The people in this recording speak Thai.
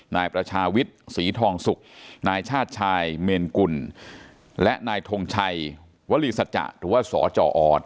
นายประชาวิทย์ศรีทองสุกนายชาติชายเมนกุลและนายทงชัยวรีสัจจะหรือว่าสจออส